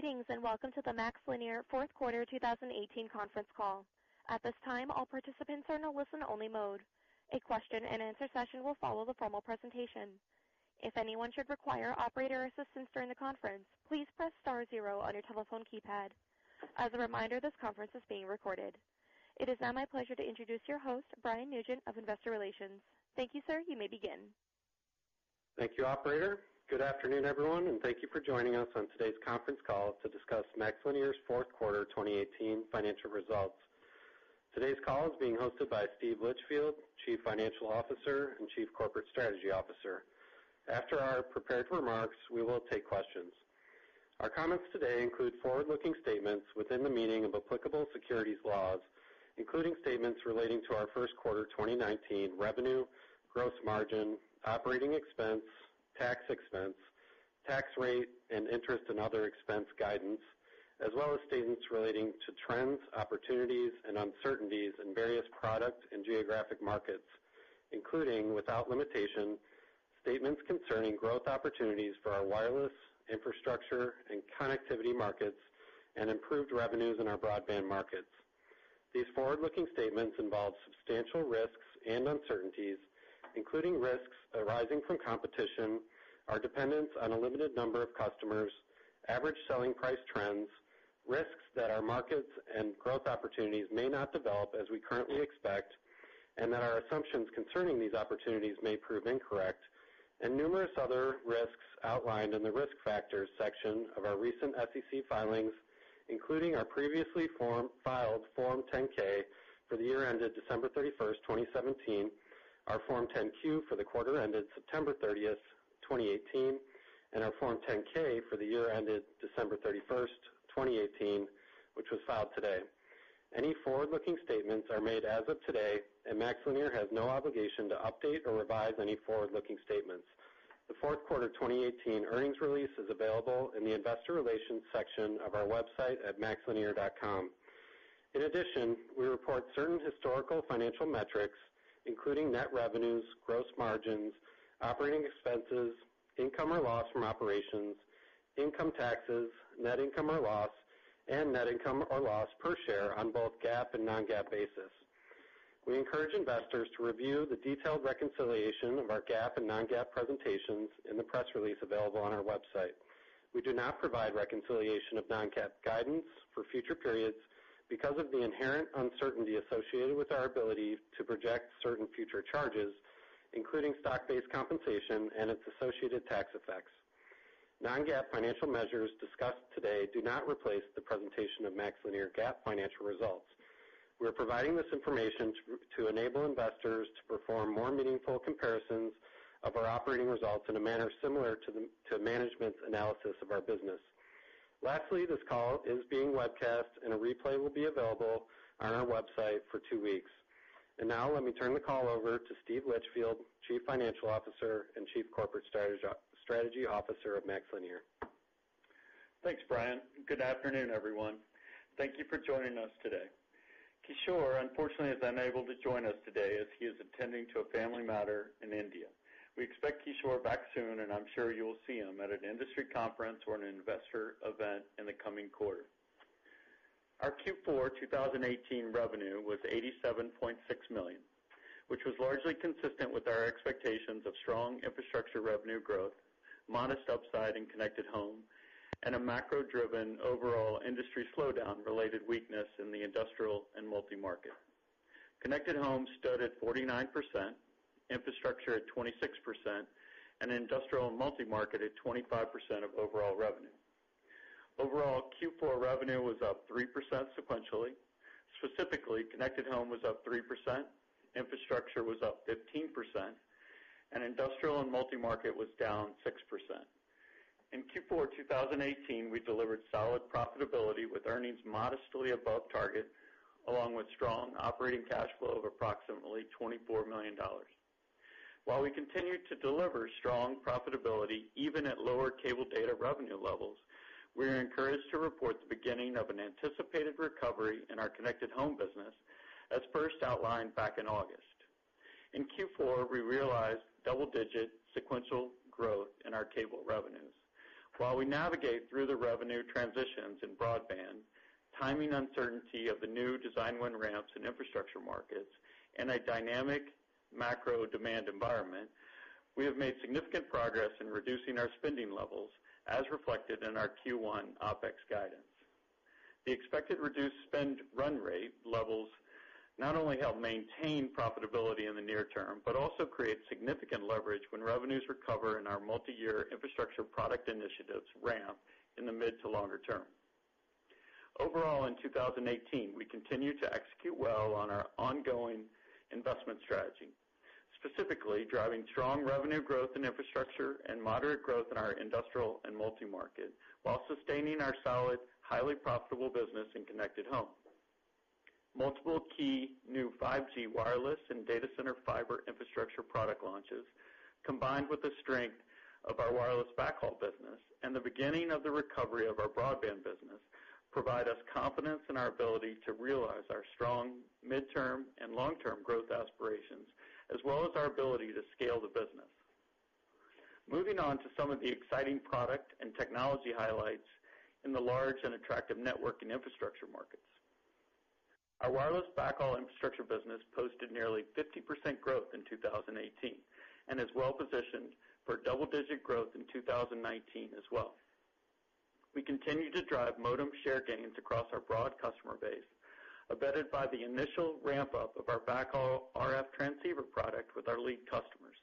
Greetings. Welcome to the MaxLinear fourth quarter 2018 conference call. At this time, all participants are in a listen-only mode. A question-and-answer session will follow the formal presentation. If anyone should require operator assistance during the conference, please press star zero on your telephone keypad. As a reminder, this conference is being recorded. It is now my pleasure to introduce your host, Brian Nugent of Investor Relations. Thank you, sir. You may begin. Thank you, operator. Good afternoon, everyone. Thank you for joining us on today's conference call to discuss MaxLinear's fourth quarter 2018 financial results. Today's call is being hosted by Steve Litchfield, Chief Financial Officer and Chief Corporate Strategy Officer. After our prepared remarks, we will take questions. Our comments today include forward-looking statements within the meaning of applicable securities laws, including statements relating to our first quarter 2019 revenue, gross margin, operating expense, tax expense, tax rate, and interest and other expense guidance, as well as statements relating to trends, opportunities, and uncertainties in various product and geographic markets, including, without limitation, statements concerning growth opportunities for our wireless infrastructure and connectivity markets and improved revenues in our broadband markets. These forward-looking statements involve substantial risks and uncertainties, including risks arising from competition, our dependence on a limited number of customers, average selling price trends, risks that our markets and growth opportunities may not develop as we currently expect, and that our assumptions concerning these opportunities may prove incorrect, and numerous other risks outlined in the Risk Factors section of our recent SEC filings, including our previously filed Form 10-K for the year ended December 31st, 2017, our Form 10-Q for the quarter ended September 30th, 2018, and our Form 10-K for the year ended December 31st, 2018, which was filed today. Any forward-looking statements are made as of today. MaxLinear has no obligation to update or revise any forward-looking statements. The fourth quarter 2018 earnings release is available in the Investor Relations section of our website at maxlinear.com. In addition, we report certain historical financial metrics, including net revenues, gross margins, operating expenses, income or loss from operations, income taxes, net income or loss, and net income or loss per share on both GAAP and non-GAAP basis. We encourage investors to review the detailed reconciliation of our GAAP and non-GAAP presentations in the press release available on our website. We do not provide reconciliation of non-GAAP guidance for future periods because of the inherent uncertainty associated with our ability to project certain future charges, including stock-based compensation and its associated tax effects. Non-GAAP financial measures discussed today do not replace the presentation of MaxLinear GAAP financial results. We are providing this information to enable investors to perform more meaningful comparisons of our operating results in a manner similar to management's analysis of our business. Lastly, this call is being webcast, and a replay will be available on our website for two weeks. Now, let me turn the call over to Steve Litchfield, Chief Financial Officer and Chief Corporate Strategy Officer of MaxLinear. Thanks, Brian. Good afternoon, everyone. Thank you for joining us today. Kishore, unfortunately, is unable to join us today as he is attending to a family matter in India. We expect Kishore back soon, and I'm sure you'll see him at an industry conference or an investor event in the coming quarter. Our Q4 2018 revenue was $87.6 million, which was largely consistent with our expectations of strong infrastructure revenue growth, modest upside in connected home, and a macro-driven overall industry slowdown related weakness in the industrial and multi-market. Connected home stood at 49%, infrastructure at 26%, and industrial and multi-market at 25% of overall revenue. Overall, Q4 revenue was up 3% sequentially. Specifically, connected home was up 3%, infrastructure was up 15%, and industrial and multi-market was down 6%. In Q4 2018, we delivered solid profitability with earnings modestly above target, along with strong operating cash flow of approximately $24 million. While we continue to deliver strong profitability even at lower cable data revenue levels, we are encouraged to report the beginning of an anticipated recovery in our connected home business, as first outlined back in August. In Q4, we realized double-digit sequential growth in our cable revenues. While we navigate through the revenue transitions in broadband, timing uncertainty of the new design win ramps in infrastructure markets, and a dynamic macro demand environment, we have made significant progress in reducing our spending levels as reflected in our Q1 OpEx guidance. The expected reduced spend run rate levels not only help maintain profitability in the near term, but also create significant leverage when revenues recover and our multi-year infrastructure product initiatives ramp in the mid to longer term. Overall, in 2018, we continued to execute well on our ongoing investment strategy, specifically driving strong revenue growth in infrastructure and moderate growth in our industrial and multi-market while sustaining our solid, highly profitable business in connected home. Multiple key new 5G wireless and data center fiber infrastructure product launches, combined with the strength of our wireless backhaul business and the beginning of the recovery of our broadband, provide us confidence in our ability to realize our strong midterm and long-term growth aspirations, as well as our ability to scale the business. Moving on to some of the exciting product and technology highlights in the large and attractive network and infrastructure markets. Our wireless backhaul infrastructure business posted nearly 50% growth in 2018 and is well-positioned for double-digit growth in 2019 as well. We continue to drive modem share gains across our broad customer base, abetted by the initial ramp-up of our backhaul RF transceiver product with our lead customers.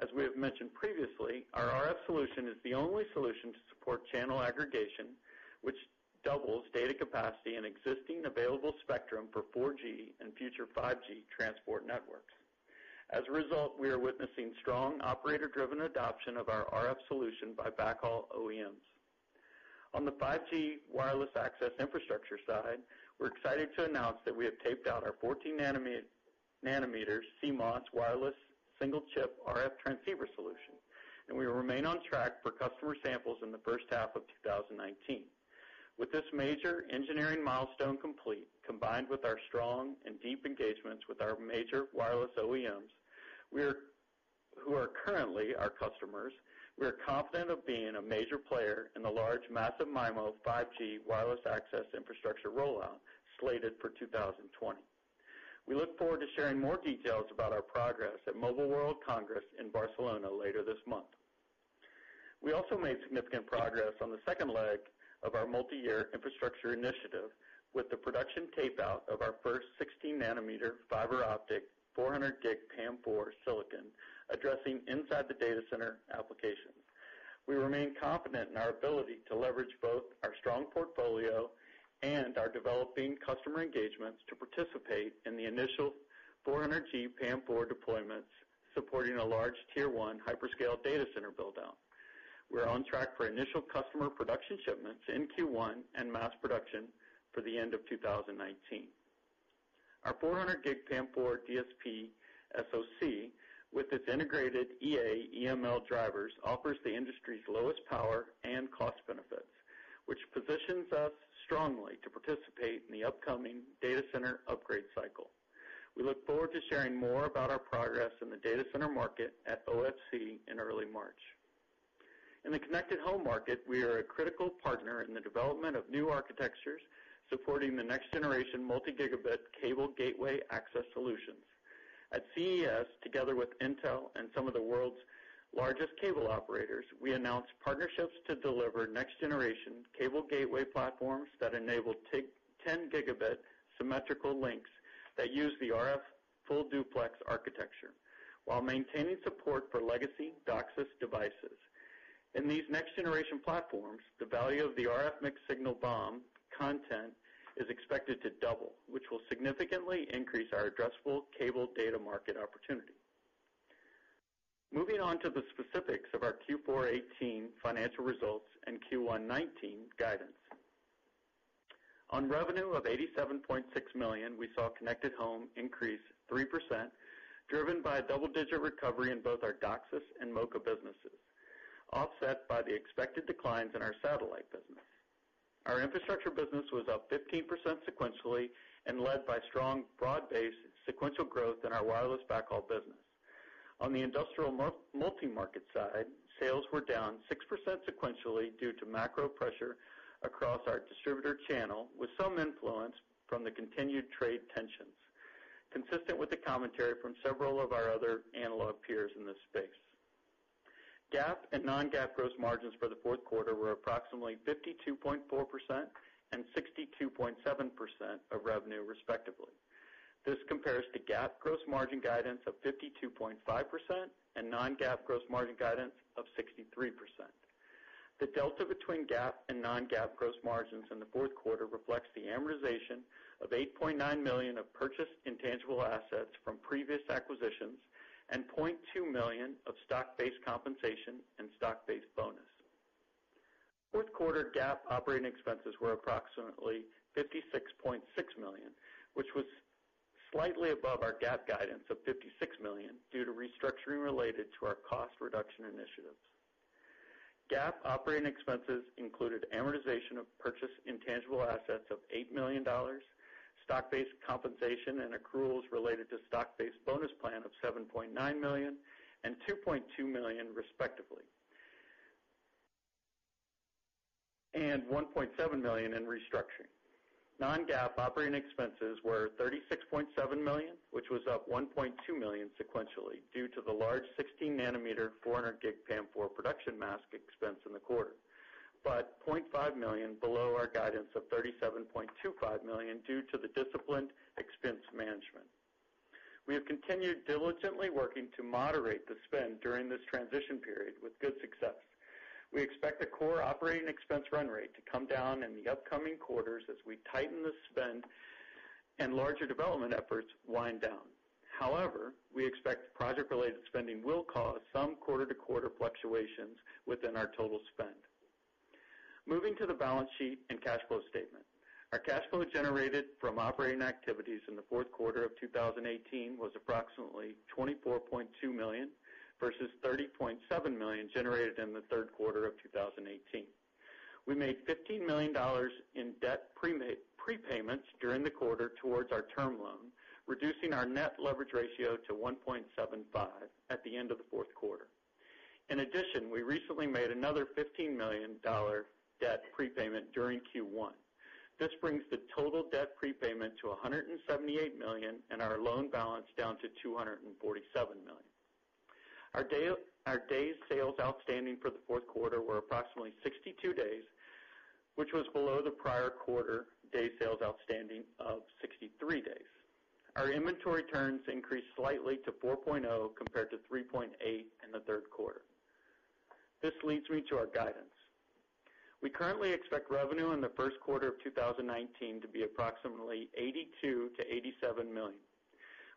As we have mentioned previously, our RF solution is the only solution to support channel aggregation, which doubles data capacity in existing available spectrum for 4G and future 5G transport networks. As a result, we are witnessing strong operator-driven adoption of our RF solution by backhaul OEMs. On the 5G wireless access infrastructure side, we are excited to announce that we have taped out our 14 nm CMOS wireless single chip RF transceiver solution. We will remain on track for customer samples in the first half of 2019. With this major engineering milestone complete, combined with our strong and deep engagements with our major wireless OEMs who are currently our customers, we are confident of being a major player in the large massive MIMO 5G wireless access infrastructure rollout slated for 2020. We look forward to sharing more details about our progress at Mobile World Congress in Barcelona later this month. We also made significant progress on the second leg of our multi-year infrastructure initiative with the production tape-out of our first 16 nm fiber optic 400G PAM4 silicon addressing inside the data center application. We remain confident in our ability to leverage both our strong portfolio and our developing customer engagements to participate in the initial 400G PAM4 deployments, supporting a large Tier 1 hyperscale data center build-out. We are on track for initial customer production shipments in Q1 and mass production for the end of 2019. Our 400G PAM4 DSP SoC, with its integrated EA-EML drivers, offers the industry's lowest power and cost benefits, which positions us strongly to participate in the upcoming data center upgrade cycle. We look forward to sharing more about our progress in the data center market at OFC in early March. In the connected home market, we are a critical partner in the development of new architectures supporting the next generation multi-gigabit cable gateway access solutions. At CES, together with Intel and some of the world's largest cable operators, we announced partnerships to deliver next generation cable gateway platforms that enable 10-Gb symmetrical links that use the RF full-duplex architecture while maintaining support for legacy DOCSIS devices. In these next generation platforms, the value of the RF mixed signal BOM content is expected to double, which will significantly increase our addressable cable data market opportunity. Moving on to the specifics of our Q4 2018 financial results and Q1 2019 guidance. On revenue of $87.6 million, we saw connected home increase 3%, driven by a double-digit recovery in both our DOCSIS and MoCA businesses, offset by the expected declines in our satellite business. Our infrastructure business was up 15% sequentially and led by strong broad-based sequential growth in our wireless backhaul business. On the industrial multi-market side, sales were down 6% sequentially due to macro pressure across our distributor channel, with some influence from the continued trade tensions, consistent with the commentary from several of our other analog peers in this space. GAAP and non-GAAP gross margins for the fourth quarter were approximately 52.4% and 62.7% of revenue, respectively. This compares to GAAP gross margin guidance of 52.5% and non-GAAP gross margin guidance of 63%. The delta between GAAP and non-GAAP gross margins in the fourth quarter reflects the amortization of $8.9 million of purchased intangible assets from previous acquisitions and $0.2 million of stock-based compensation and stock-based bonus. Fourth quarter GAAP operating expenses were approximately $56.6 million, which was slightly above our GAAP guidance of $56 million due to restructuring related to our cost reduction initiatives. GAAP operating expenses included amortization of purchased intangible assets of $8 million, stock-based compensation and accruals related to stock-based bonus plan of $7.9 million and $2.2 million, respectively, and $1.7 million in restructuring. Non-GAAP operating expenses were $36.7 million, which was up $1.2 million sequentially due to the large 16 nm 400G PAM4 production mask expense in the quarter. $0.5 million below our guidance of $37.25 million due to the disciplined expense management. We have continued diligently working to moderate the spend during this transition period with good success. We expect the core operating expense run rate to come down in the upcoming quarters as we tighten the spend and larger development efforts wind down. However, we expect project-related spending will cause some quarter-to-quarter fluctuations within our total spend. Moving to the balance sheet and cash flow statement. Our cash flow generated from operating activities in the fourth quarter of 2018 was approximately $24.2 million versus $30.7 million generated in the third quarter of 2018. We made $15 million in debt prepayments during the quarter towards our term loan, reducing our net leverage ratio to 1.75 at the end of the fourth quarter. In addition, we recently made another $15 million debt prepayment during Q1. This brings the total debt prepayment to $178 million and our loan balance down to $247 million. Our days sales outstanding for the fourth quarter were approximately 62 days, which was below the prior quarter days sales outstanding of 63 days. Our inventory turns increased slightly to 4.0 compared to 3.8 in the third quarter. This leads me to our guidance. We currently expect revenue in the first quarter of 2019 to be approximately $82 million-$87 million.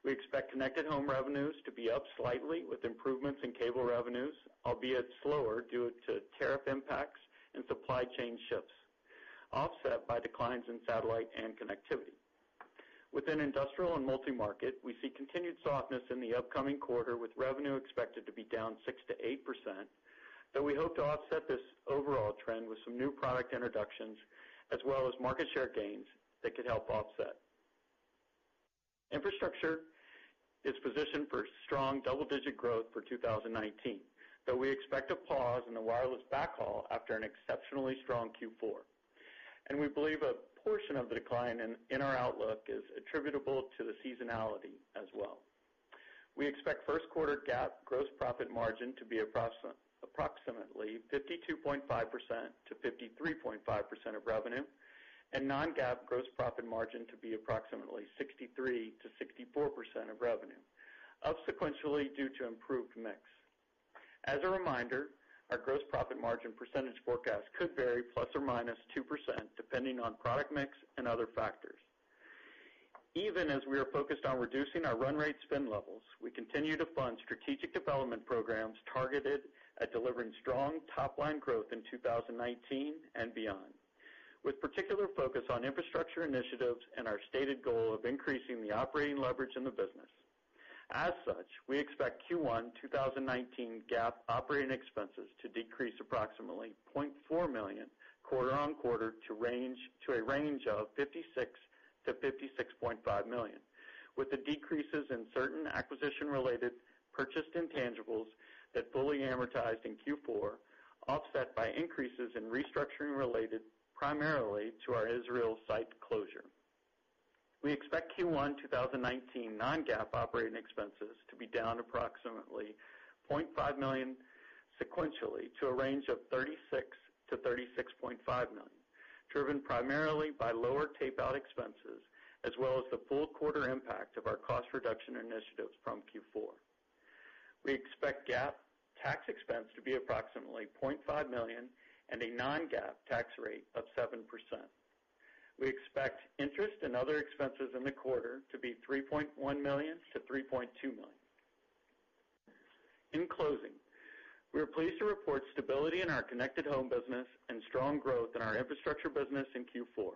We expect connected home revenues to be up slightly with improvements in cable revenues, albeit slower due to tariff impacts and supply chain shifts, offset by declines in satellite and connectivity. Within industrial and multi-market, we see continued softness in the upcoming quarter with revenue expected to be down 6%-8%, though we hope to offset this overall trend with some new product introductions, as well as market share gains that could help offset. Infrastructure is positioned for strong double-digit growth for 2019, though we expect a pause in the wireless backhaul after an exceptionally strong Q4. We believe a portion of the decline in our outlook is attributable to the seasonality as well. We expect first quarter GAAP gross profit margin to be approximately 52.5%-53.5% of revenue and non-GAAP gross profit margin to be approximately 63%-64% of revenue, up sequentially due to improved mix. As a reminder, our gross profit margin percentage forecast could vary ±2% depending on product mix and other factors. Even as we are focused on reducing our run rate spend levels, we continue to fund strategic development programs targeted at delivering strong top-line growth in 2019 and beyond, with particular focus on infrastructure initiatives and our stated goal of increasing the operating leverage in the business. As such, we expect Q1 2019 GAAP operating expenses to decrease approximately $0.4 million quarter-on-quarter to a range of $56 million-$56.5 million, with the decreases in certain acquisition-related purchased intangibles that fully amortized in Q4, offset by increases in restructuring related primarily to our Israel site closure. We expect Q1 2019 non-GAAP operating expenses to be down approximately $0.5 million sequentially to a range of $36 million-$36.5 million, driven primarily by lower tape-out expenses as well as the full quarter impact of our cost reduction initiatives from Q4. We expect GAAP tax expense to be approximately $0.5 million and a non-GAAP tax rate of 7%. We expect interest and other expenses in the quarter to be $3.1 million-$3.2 million. In closing, we are pleased to report stability in our connected home business and strong growth in our infrastructure business in Q4.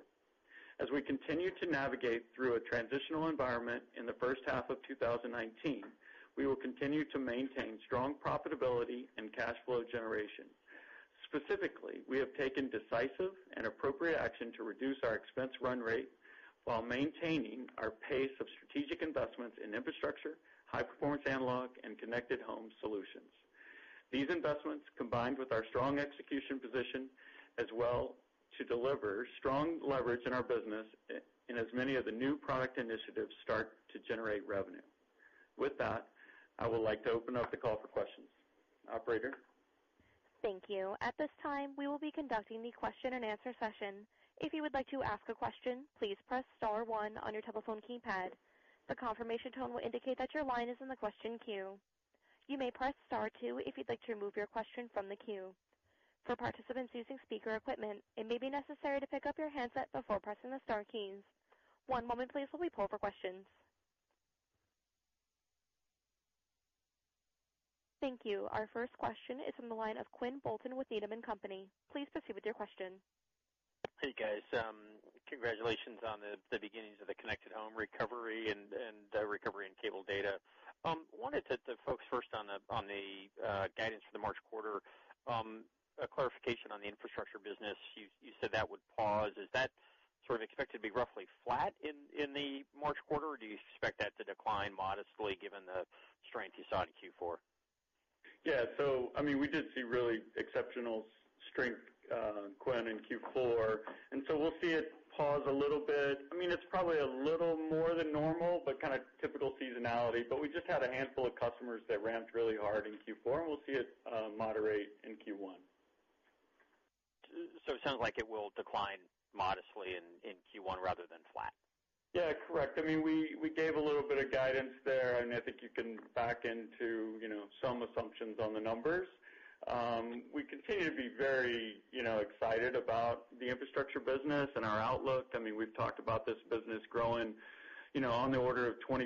As we continue to navigate through a transitional environment in the first half of 2019, we will continue to maintain strong profitability and cash flow generation. Specifically, we have taken decisive and appropriate action to reduce our expense run rate while maintaining our pace of strategic investments in infrastructure, high-performance analog and connected home solutions. These investments, combined with our strong execution position, as well to deliver strong leverage in our business and as many of the new product initiatives start to generate revenue. With that, I would like to open up the call for questions. Operator? Thank you. At this time, we will be conducting the question and answer session. If you would like to ask a question, please press star one on your telephone keypad. The confirmation tone will indicate that your line is in the question queue. You may press star two if you'd like to remove your question from the queue. For participants using speaker equipment, it may be necessary to pick up your handset before pressing the star keys. One moment please while we poll for questions. Thank you. Our first question is from the line of Quinn Bolton with Needham & Company. Please proceed with your question. Hey, guys. Congratulations on the beginnings of the connected home recovery and the recovery in cable data. Wanted to focus first on the guidance for the March quarter. A clarification on the infrastructure business. You said that would pause. Is that sort of expected to be roughly flat in the March quarter or do you expect that to decline modestly given the strength you saw in Q4? Yeah. We did see really exceptional strength, Quinn, in Q4. We'll see it pause a little bit. It's probably a little more than normal, but kind of typical seasonality, but we just had a handful of customers that ramped really hard in Q4, and we'll see it moderate in Q1. It sounds like it will decline modestly in Q1 rather than flat. Yeah. Correct. We gave a little bit of guidance there. I think you can back into some assumptions on the numbers. We continue to be very excited about the infrastructure business and our outlook. We've talked about this business growing on the order of 20%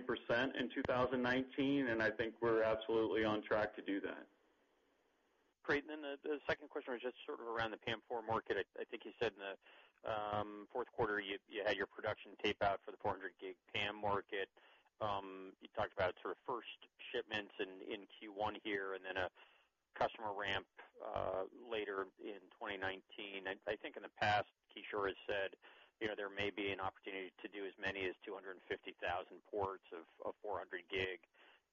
in 2019, I think we're absolutely on track to do that. Great. The second question was just sort of around the PAM4 market. I think you said in the fourth quarter you had your production tape out for the 400G PAM market. You talked about sort of first shipments in Q1 here and then a customer ramp later in 2019. I think in the past, Kishore has said there may be an opportunity to do as many as 250,000 ports of 400G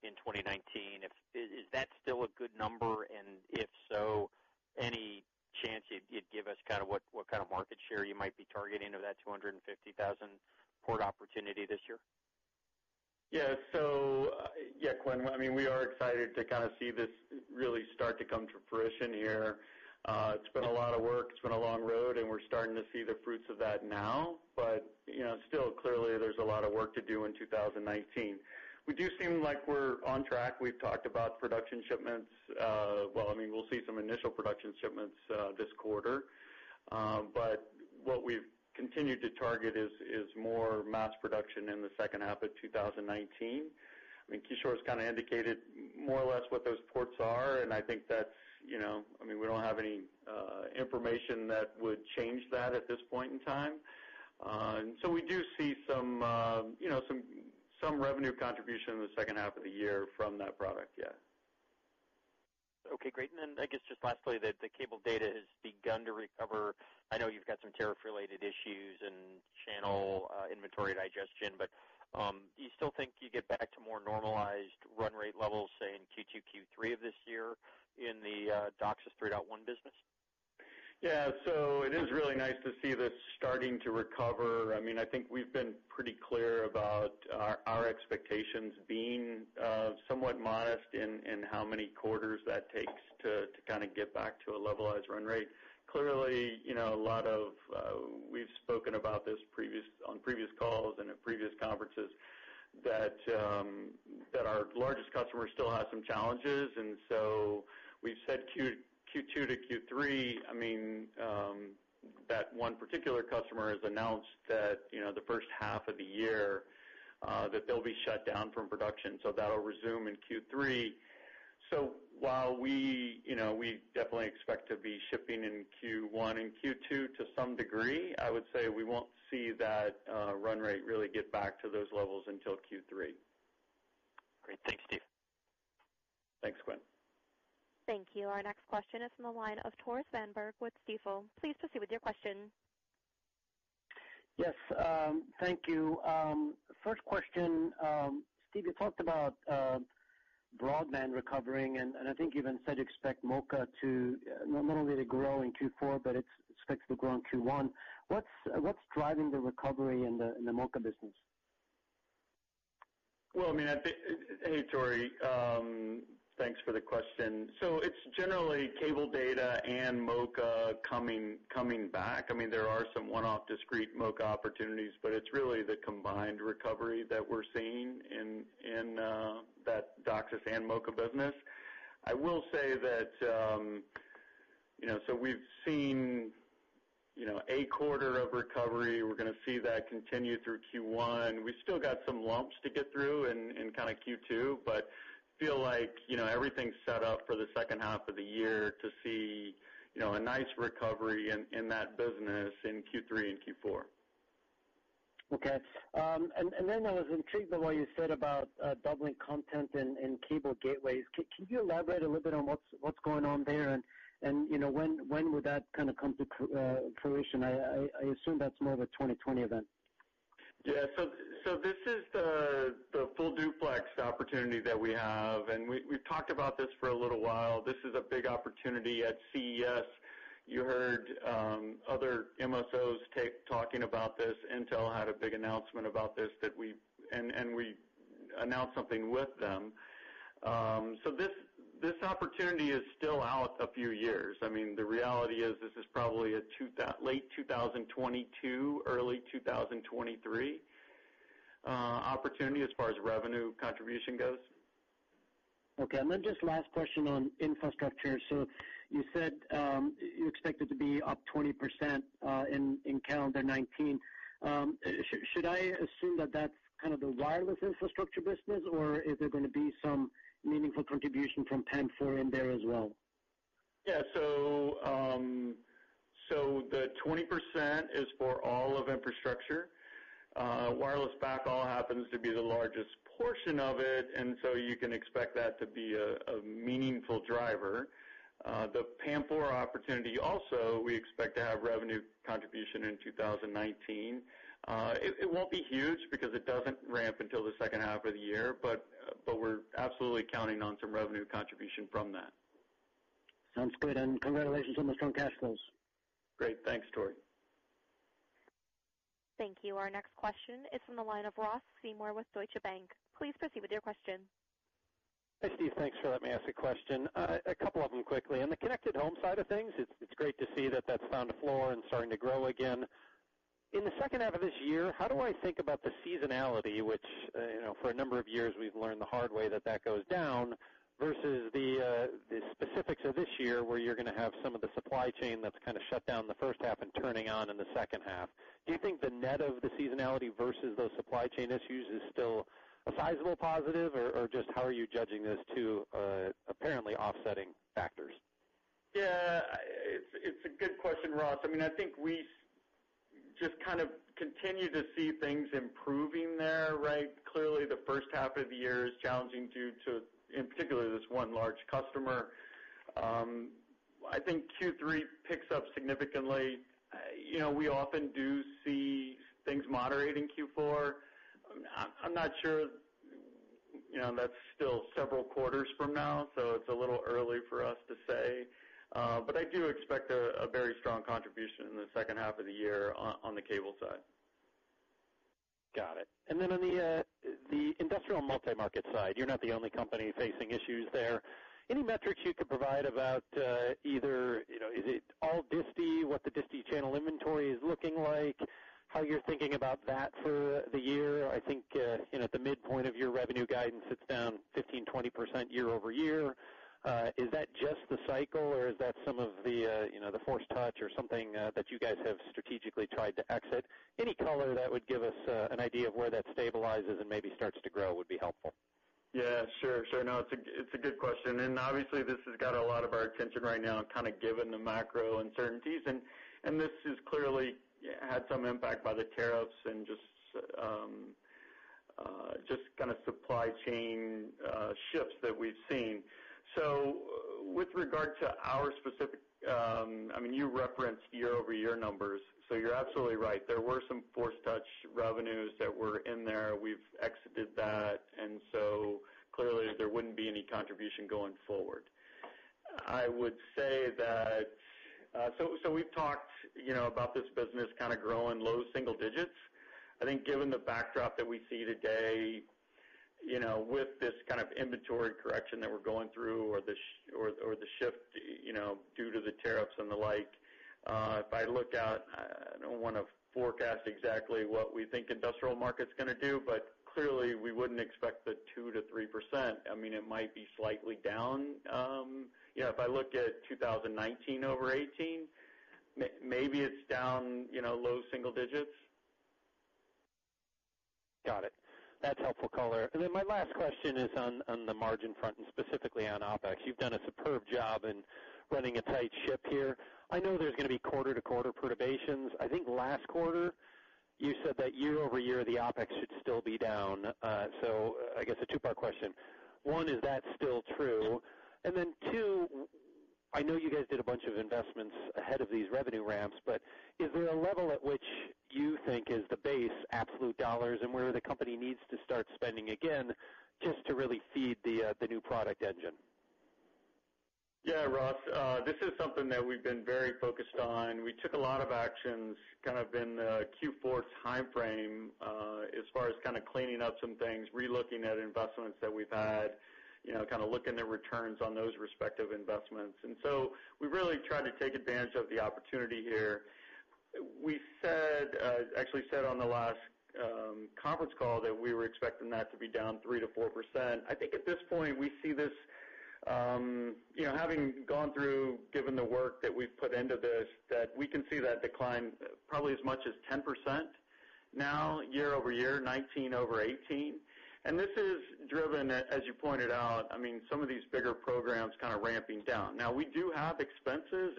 in 2019. Is that still a good number, if so, any chance you'd give us what kind of market share you might be targeting of that 250,000 port opportunity this year? Yeah, Quinn, we are excited to kind of see this really start to come to fruition here. It's been a lot of work, it's been a long road, and we're starting to see the fruits of that now. Still, clearly there's a lot of work to do in 2019. We do seem like we're on track. We've talked about production shipments. Well, we'll see some initial production shipments this quarter. What we've continued to target is more mass production in the second half of 2019. Kishore's kind of indicated more or less what those ports are, and I think that's. We don't have any information that would change that at this point in time. We do see some revenue contribution in the second half of the year from that product, yeah. Okay, great. I guess just lastly, the cable data has begun to recover. I know you've got some tariff-related issues and channel inventory digestion, do you still think you get back to more normalized run rate levels, say, in Q2, Q3 of this year in the DOCSIS 3.1 business? Yeah. It is really nice to see this starting to recover. I think we've been pretty clear about our expectations being somewhat modest in how many quarters that takes to kind of get back to a levelized run rate. Clearly, we've spoken about this on previous calls and at previous conferences, that our largest customer still has some challenges. We've said Q2 to Q3. That one particular customer has announced that the first half of the year, that they'll be shut down from production. That'll resume in Q3. While we definitely expect to be shipping in Q1 and Q2 to some degree, I would say we won't see that run rate really get back to those levels until Q3. Great. Thanks, Steve. Thanks, Quinn. Thank you. Our next question is from the line of Tore Svanberg with Stifel. Please proceed with your question. Yes, thank you. First question. Steve, you talked about broadband recovering, and I think you even said you expect MoCA to not only to grow in Q4, but it's expected to grow in Q1. What's driving the recovery in the MoCA business? Well, hey, Tore. Thanks for the question. It's generally cable data and MoCA coming back. There are some one-off discrete MoCA opportunities, but it's really the combined recovery that we're seeing in that DOCSIS and MoCA business. I will say that we've seen a quarter of recovery. We're going to see that continue through Q1. We still got some lumps to get through in Q2, but feel like everything's set up for the second half of the year to see a nice recovery in that business in Q3 and Q4. Okay. I was intrigued by what you said about doubling content in cable gateways. Can you elaborate a little bit on what's going on there, and when would that kind of come to fruition? I assume that's more of a 2020 event. Yeah. This is the full duplex opportunity that we have, and we've talked about this for a little while. This is a big opportunity. At CES, you heard other MSOs talking about this. Intel had a big announcement about this that we announced something with them. This opportunity is still out a few years. The reality is this is probably a late 2022, early 2023 opportunity as far as revenue contribution goes. Okay. Just last question on infrastructure. You said you expect it to be up 20% in calendar 2019. Should I assume that that's kind of the wireless infrastructure business, or is there going to be some meaningful contribution from PAM4 in there as well? Yeah. The 20% is for all of infrastructure. Wireless backhaul happens to be the largest portion of it, and so you can expect that to be a meaningful driver. The PAM4 opportunity also, we expect to have revenue contribution in 2019. It won't be huge because it doesn't ramp until the second half of the year, but we're absolutely counting on some revenue contribution from that. Sounds good. Congratulations on the strong cash flows. Great. Thanks, Tore. Thank you. Our next question is from the line of Ross Seymore with Deutsche Bank. Please proceed with your question. Hi, Steve. Thanks for letting me ask a question. A couple of them quickly. On the connected home side of things, it's great to see that that's found a floor and starting to grow again. In the second half of this year, how do I think about the seasonality, which for a number of years we've learned the hard way that that goes down, versus the specifics of this year where you're going to have some of the supply chain that's kind of shut down the first half and turning on in the second half. Do you think the net of the seasonality versus those supply chain issues is still a sizable positive? Or just how are you judging those two apparently offsetting factors? Yeah. It's a good question, Ross. I think just kind of continue to see things improving there, right? Clearly, the first half of the year is challenging due to, in particular, this one large customer. Q3 picks up significantly. We often do see things moderate in Q4. I'm not sure, that's still several quarters from now, so it's a little early for us to say. I do expect a very strong contribution in the second half of the year on the cable side. Got it. On the industrial multi-market side, you're not the only company facing issues there. Any metrics you could provide about either, is it all disti, what the disti channel inventory is looking like, how you're thinking about that for the year? I think, the midpoint of your revenue guidance sits down 15%-20% year-over-year. Is that just the cycle or is that some of the force touch or something that you guys have strategically tried to exit? Any color that would give us an idea of where that stabilizes and maybe starts to grow would be helpful. Yeah, sure. No, it's a good question. Obviously this has got a lot of our attention right now, kind of given the macro uncertainties. This has clearly had some impact by the tariffs and just kind of supply chain shifts that we've seen. With regard to our specific. You referenced year-over-year numbers, you're absolutely right. There were some force touch revenues that were in there. We've exited that, clearly there wouldn't be any contribution going forward. We've talked about this business kind of growing low single digits. I think given the backdrop that we see today, with this kind of inventory correction that we're going through or the shift due to the tariffs and the like. If I look out, I don't want to forecast exactly what we think industrial market's going to do, clearly we wouldn't expect the 2%-3%. It might be slightly down. If I look at 2019 over 2018, maybe it's down low single digits. Got it. That's helpful color. My last question is on the margin front and specifically on OPEX. You've done a superb job in running a tight ship here. I know there's going to be quarter-to-quarter perturbations. I think last quarter you said that year-over-year, the OPEX should still be down. I guess a two-part question. One, is that still true? Two, I know you guys did a bunch of investments ahead of these revenue ramps, but is there a level at which you think is the base absolute dollars and where the company needs to start spending again just to really feed the new product engine? Yeah, Ross, this is something that we've been very focused on. We took a lot of actions kind of in the Q4 timeframe as far as kind of cleaning up some things, re-looking at investments that we've had, kind of looking at returns on those respective investments. We really try to take advantage of the opportunity here. We actually said on the last conference call that we were expecting that to be down 3%-4%. I think at this point, we see this, having gone through, given the work that we've put into this, that we can see that decline probably as much as 10% now year-over-year 2019 over 2018. This is driven, as you pointed out, some of these bigger programs kind of ramping down. We do have expenses.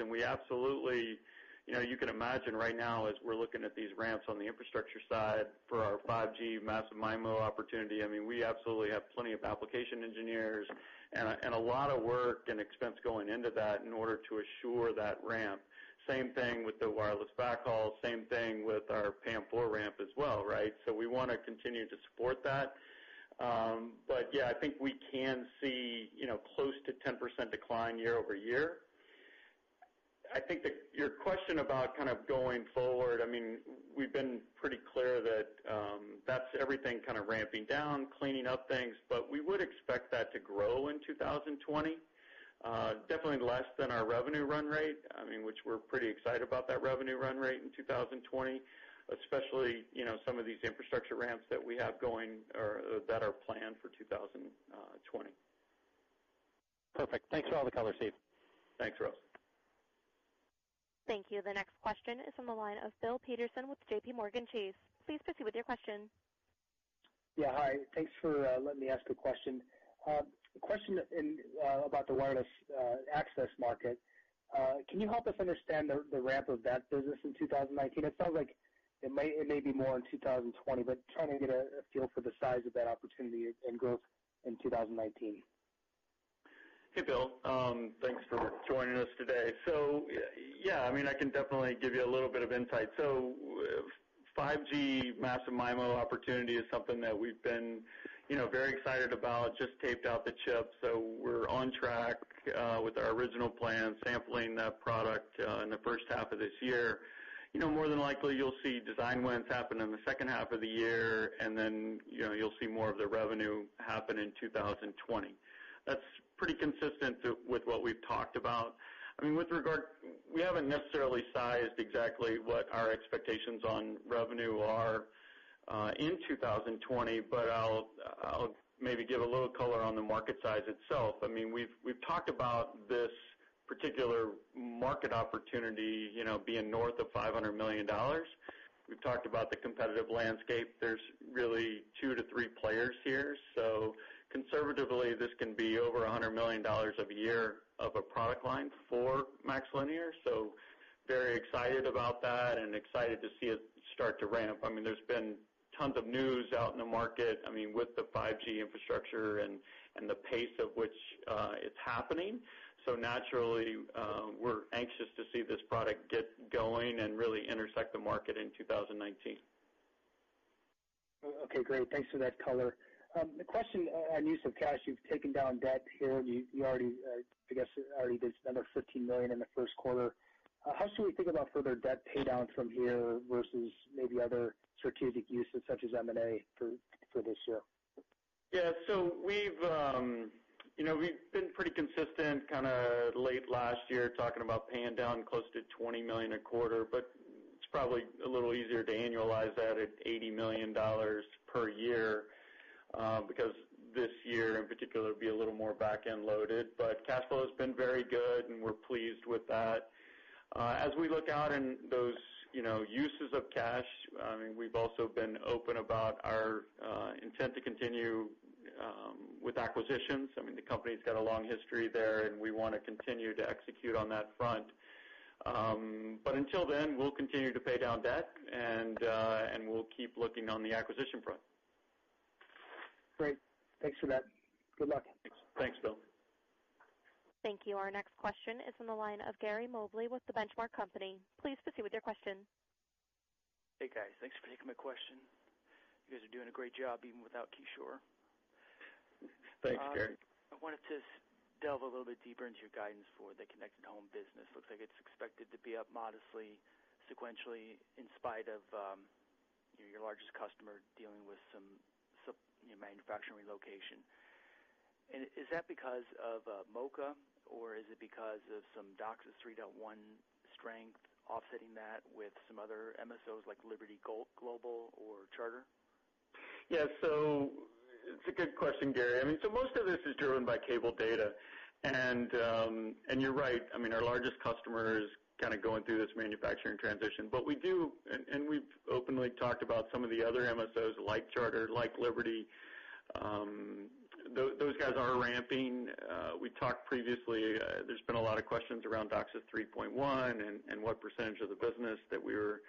You can imagine right now as we're looking at these ramps on the infrastructure side for our 5G massive MIMO opportunity, we absolutely have plenty of application engineers and a lot of work and expense going into that in order to assure that ramp. Same thing with the wireless backhaul, same thing with our PAM4 ramp as well, right? We want to continue to support that. Yeah, I think we can see close to 10% decline year-over-year. I think that your question about kind of going forward, we've been pretty clear that's everything kind of ramping down, cleaning up things, we would expect that to grow in 2020. Definitely less than our revenue run rate, which we're pretty excited about that revenue run rate in 2020, especially some of these infrastructure ramps that we have going or that are planned for 2020. Perfect. Thanks for all the color, Steve. Thanks, Ross. Thank you. The next question is from the line of Bill Peterson with JPMorgan Chase. Please proceed with your question. Yeah, hi. Thanks for letting me ask a question. A question about the wireless access market. Can you help us understand the ramp of that business in 2019? It sounds like it may be more in 2020, but trying to get a feel for the size of that opportunity and growth in 2019. Hey, Bill. Thanks for joining us today. Yeah, I can definitely give you a little bit of insight. 5G massive MIMO opportunity is something that we've been very excited about, just taped out the chip. We're on track with our original plan, sampling that product in the first half of this year. More than likely you'll see design wins happen in the second half of the year, then you'll see more of the revenue happen in 2020. That's pretty consistent with what we've talked about. We haven't necessarily sized exactly what our expectations on revenue are in 2020, but I'll maybe give a little color on the market size itself. We've talked about this particular market opportunity being north of $500 million. We've talked about the competitive landscape. There's really two to three players here. Conservatively, this can be over $100 million of a year of a product line for MaxLinear. Very excited about that and excited to see it start to ramp. There's been tons of news out in the market, with the 5G infrastructure and the pace at which it's happening. Naturally, we're anxious to see this product get going and really intersect the market in 2019. Okay, great. Thanks for that color. The question on use of cash, you've taken down debt here, you already, I guess, already did spend the $15 million in the first quarter. How should we think about further debt pay down from here versus maybe other strategic uses such as M&A for this year? Yeah. We've been pretty consistent kind of late last year, talking about paying down close to $20 million a quarter, it's probably a little easier to annualize that at $80 million per year, because this year in particular, it'll be a little more back-end loaded. Cash flow has been very good, and we're pleased with that. As we look out in those uses of cash, we've also been open about our intent to continue with acquisitions. The company's got a long history there, we want to continue to execute on that front. Until then, we'll continue to pay down debt, we'll keep looking on the acquisition front. Great. Thanks for that. Good luck. Thanks, Bill. Thank you. Our next question is on the line of Gary Mobley with The Benchmark Company. Please proceed with your question. Hey, guys. Thanks for taking my question. You guys are doing a great job even without Kishore. Thanks, Gary. I wanted to delve a little bit deeper into your guidance for the connected home business. Looks like it's expected to be up modestly sequentially in spite of your largest customer dealing with some manufacturing relocation. Is that because of MoCA, or is it because of some DOCSIS 3.1 strength offsetting that with some other MSOs like Liberty Global or Charter? Yeah. It's a good question, Gary. Most of this is driven by cable data, and you're right, our largest customer is kind of going through this manufacturing transition. We do, and we've openly talked about some of the other MSOs like Charter, like Liberty. Those guys are ramping. We talked previously, there's been a lot of questions around DOCSIS 3.1 and what percentage of the business that we're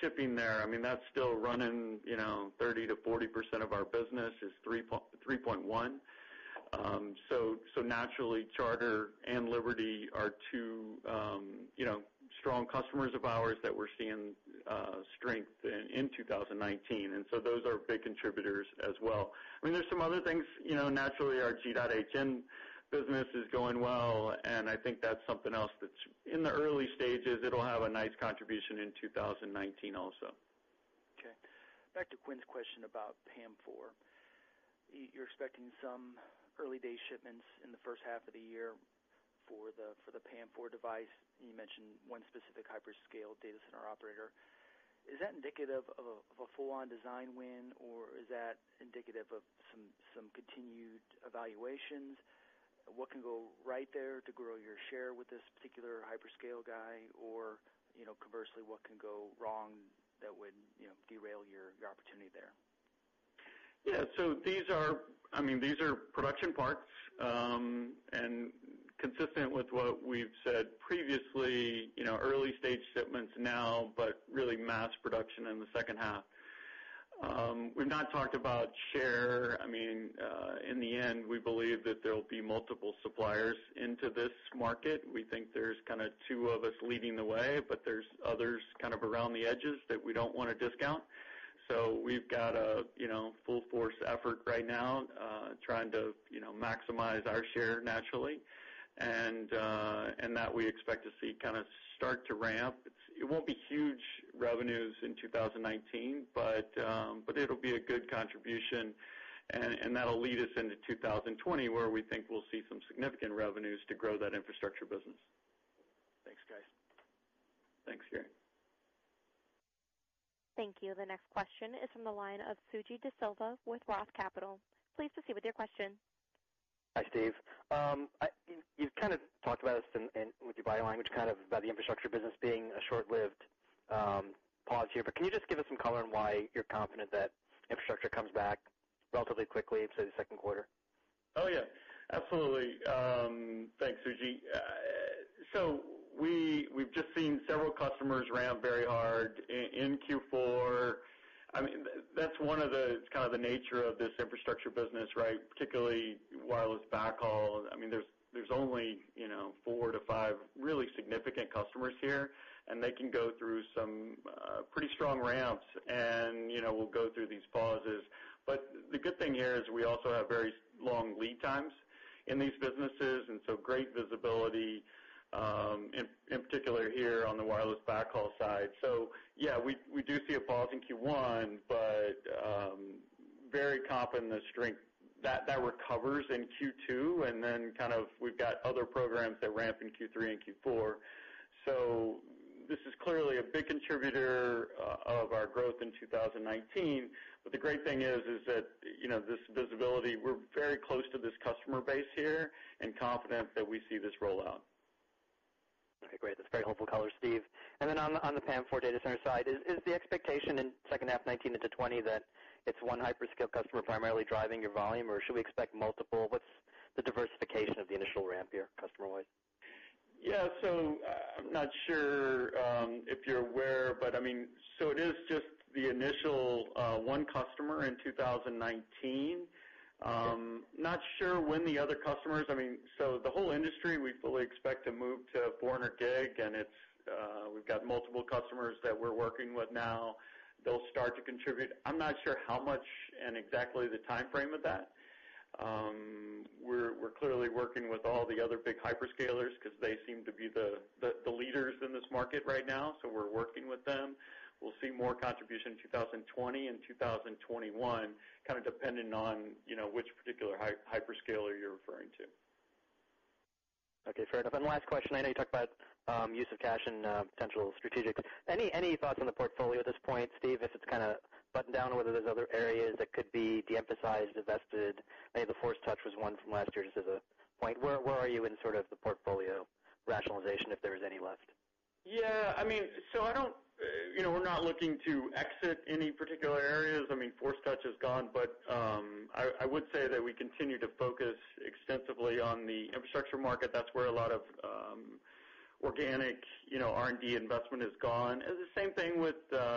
shipping there. That's still running 30%-40% of our business is 3.1. Naturally, Charter and Liberty are two strong customers of ours that we're seeing strength in 2019, and those are big contributors as well. There's some other things. Naturally, our G.hn business is going well, and I think that's something else that's in the early stages. It'll have a nice contribution in 2019 also. Okay. Back to Quinn's question about PAM4. You're expecting some early-day shipments in the first half of the year for the PAM4 device. You mentioned one specific hyperscale data center operator. Is that indicative of a full-on design win, or is that indicative of some continued evaluations? What can go right there to grow your share with this particular hyperscale guy? Conversely, what can go wrong that would derail your opportunity there? These are production parts, consistent with what we've said previously, early-stage shipments now, but really mass production in the second half. We've not talked about share. In the end, we believe that there'll be multiple suppliers into this market. We think there's kind of two of us leading the way, but there's others kind of around the edges that we don't want to discount. We've got a full force effort right now, trying to maximize our share naturally, and that we expect to see kind of start to ramp. It won't be huge revenues in 2019, but it'll be a good contribution, and that'll lead us into 2020, where we think we'll see some significant revenues to grow that infrastructure business. Thanks, guys. Thanks, Gary. Thank you. The next question is from the line of Suji Desilva with Roth Capital. Please proceed with your question. Hi, Steve. You've kind of talked about this in with your Wi-Fi line, about the infrastructure business being a short-lived pause here. Can you just give us some color on why you're confident that infrastructure comes back relatively quickly, say, the second quarter? Oh, yeah. Absolutely. Thanks, Suji. We've just seen several customers ramp very hard in Q4. That's kind of the nature of this infrastructure business, right? Particularly wireless backhaul. There's only four to five really significant customers here, and they can go through some pretty strong ramps, and we'll go through these pauses. The good thing here is we also have very long lead times in these businesses, and so great visibility, in particular here on the wireless backhaul side. Yeah, we do see a pause in Q1, very confident the strength recovers in Q2, then kind of, we've got other programs that ramp in Q3 and Q4. This is clearly a big contributor of our growth in 2019. The great thing is that this visibility, we're very close to this customer base here and confident that we see this roll out. Okay, great. That's very helpful color, Steve. On the PAM4 data center side, is the expectation in second half 2019 into 2020 that it's one hyperscale customer primarily driving your volume, or should we expect multiple? The diversification of the initial ramp here customer wise. Yeah. I'm not sure if you're aware, but it is just the initial one customer in 2019. Okay. Not sure when the other customers. The whole industry, we fully expect to move to 400G, and we've got multiple customers that we're working with now. They'll start to contribute. I'm not sure how much and exactly the timeframe of that. We're clearly working with all the other big hyperscalers because they seem to be the leaders in this market right now, so we're working with them. We'll see more contribution in 2020 and 2021, kind of dependent on which particular hyperscaler you're referring to. Okay, fair enough. Last question, I know you talked about use of cash and potential strategics. Any thoughts on the portfolio at this point, Steve, if it's kind of buttoned down or whether there's other areas that could be de-emphasized, divested? I know force touch was one from last year, just as a point. Where are you in sort of the portfolio rationalization, if there is any left? Yeah. We're not looking to exit any particular force touch is gone, but I would say that we continue to focus extensively on the infrastructure market. That's where a lot of organic R&D investment is gone. The same thing with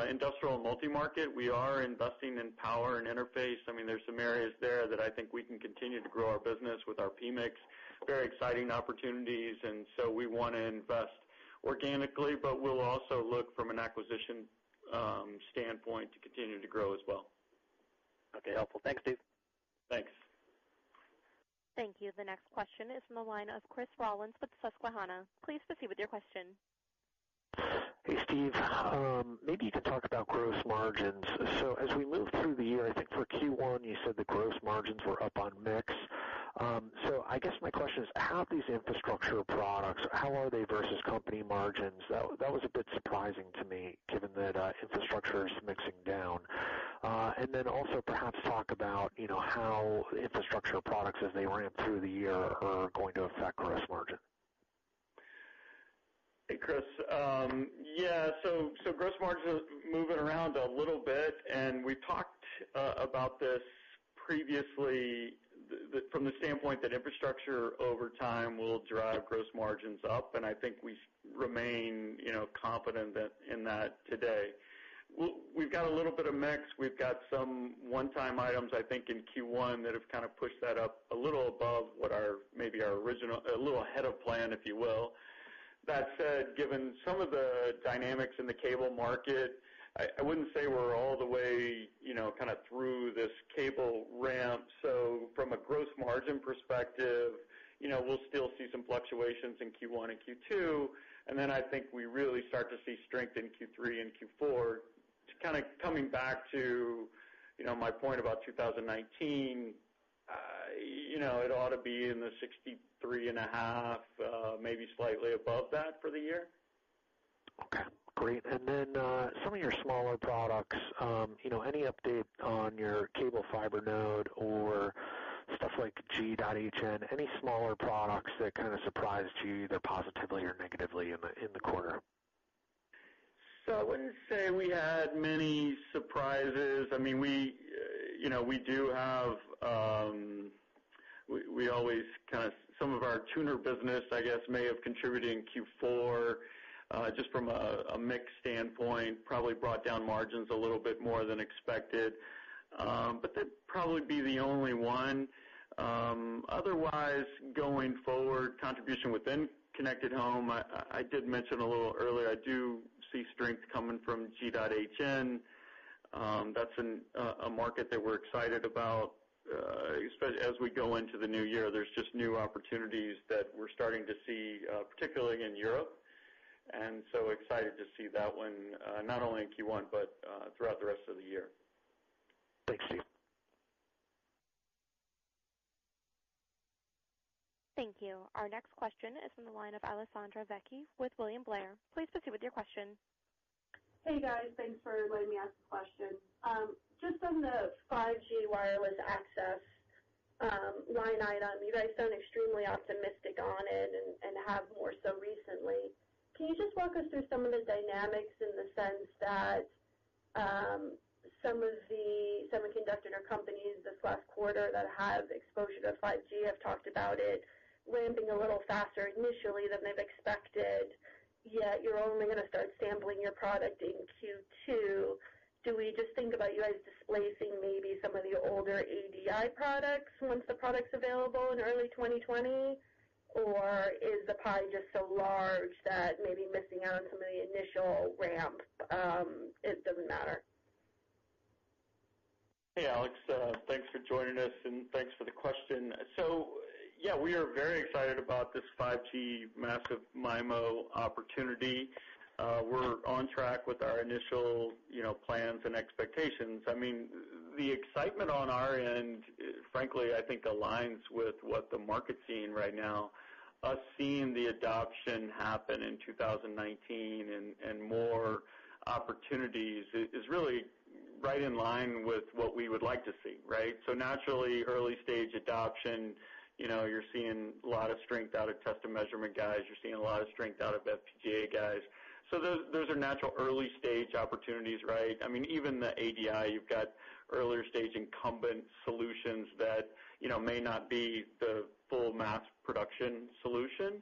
industrial multi-market. We are investing in power and interface. There's some areas there that I think we can continue to grow our business with our PMIC. Very exciting opportunities, and so we want to invest organically, but we'll also look from an acquisition standpoint to continue to grow as well. Okay, helpful. Thanks, Steve. Thanks. Thank you. The next question is from the line of Chris Rolland with Susquehanna. Please proceed with your question. Hey, Steve. Maybe you could talk about gross margins. As we move through the year, I think for Q1 you said the gross margins were up on mix. I guess my question is, how are these infrastructure products, how are they versus company margins? That was a bit surprising to me given that infrastructure is mixing down. Also perhaps talk about how infrastructure products as they ramp through the year are going to affect gross margin. Hey, Chris. Yeah, gross margins moving around a little bit, we talked about this previously from the standpoint that infrastructure over time will drive gross margins up, I think we remain confident in that today. We've got a little bit of mix. We've got some one-time items, I think, in Q1 that have kind of pushed that up a little above what our, maybe a little ahead of plan, if you will. That said, given some of the dynamics in the cable market, I wouldn't say we're all the way through this cable ramp. From a gross margin perspective, we'll still see some fluctuations in Q1 and Q2, I think we really start to see strength in Q3 and Q4. Coming back to my point about 2019, it ought to be in the 63.5, maybe slightly above that for the year. Okay, great. Some of your smaller products, any update on your cable fiber node or stuff like G.hn, any smaller products that surprised you, either positively or negatively in the quarter? I wouldn't say we had many surprises. Some of our tuner business, I guess, may have contributed in Q4, just from a mix standpoint, probably brought down margins a little bit more than expected. That'd probably be the only one. Otherwise, going forward, contribution within Connected Home, I did mention a little earlier, I do see strength coming from G.hn. That's a market that we're excited about. As we go into the new year, there's just new opportunities that we're starting to see, particularly in Europe, excited to see that one, not only in Q1, but throughout the rest of the year. Thanks, Steve. Thank you. Our next question is from the line of Alessandra Vecchi with William Blair. Please proceed with your question. Hey, guys. Thanks for letting me ask a question. Just on the 5G wireless access line item, you guys sound extremely optimistic on it and have more so recently. Can you just walk us through some of the dynamics in the sense that some of the semiconductor companies this last quarter that have exposure to 5G have talked about it ramping a little faster initially than they've expected, yet you're only going to start sampling your product in Q2. Do we just think about you guys displacing maybe some of the older ADI products once the product's available in early 2020? Or is the pie just so large that maybe missing out on some of the initial ramp, it doesn't matter? Hey, Alex. Thanks for joining us, and thanks for the question. Yeah, we are very excited about this 5G massive MIMO opportunity. We're on track with our initial plans and expectations. The excitement on our end, frankly, I think aligns with what the market's seeing right now. Us seeing the adoption happen in 2019 and more opportunities is really right in line with what we would like to see, right? Naturally, early-stage adoption, you're seeing a lot of strength out of test and measurement guys. You're seeing a lot of strength out of FPGA guys. Those are natural early-stage opportunities, right? Even the ADI, you've got earlier-stage incumbent solutions that may not be the full mass production solution.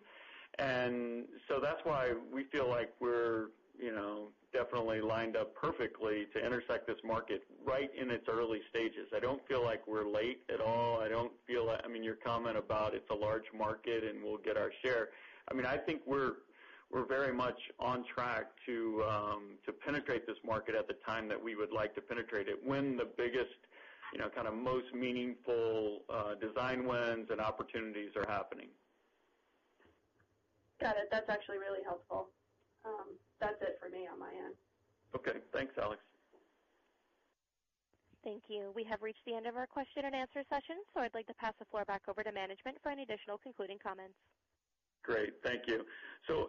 That's why we feel like we're definitely lined up perfectly to intersect this market right in its early stages. I don't feel like we're late at all. I mean, your comment about it's a large market and we'll get our share. I think we're very much on track to penetrate this market at the time that we would like to penetrate it, when the biggest kind of most meaningful design wins and opportunities are happening. Got it. That's actually really helpful. That's it for me on my end. Okay. Thanks, Alex. Thank you. We have reached the end of our question and answer session. I'd like to pass the floor back over to management for any additional concluding comments. Great. Thank you.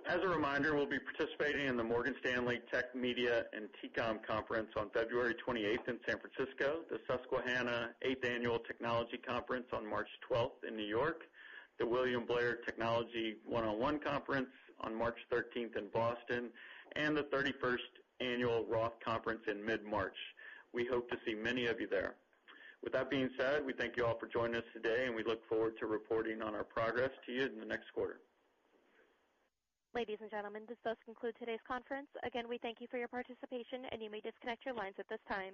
As a reminder, we'll be participating in the Morgan Stanley Tech, Media & Telecom Conference on February 28th in San Francisco, the Susquehanna 8th Annual Technology Conference on March 12th in New York, the William Blair Technology 101 Conference on March 13th in Boston, and the 31st Annual ROTH Conference in mid-March. We hope to see many of you there. With that being said, we thank you all for joining us today. We look forward to reporting on our progress to you in the next quarter. Ladies and gentlemen, this does conclude today's conference. Again, we thank you for your participation. You may disconnect your lines at this time.